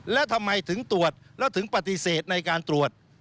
และทำไมถึงตรวจแล้วถึงปฏิเสธในการตรวจ